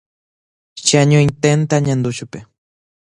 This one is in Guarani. Che añoiténte añandu chupe.